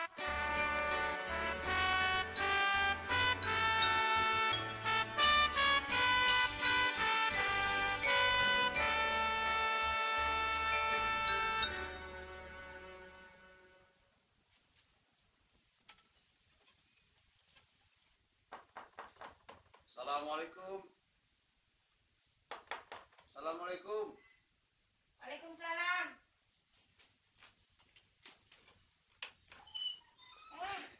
assalamualaikum wa opening supplied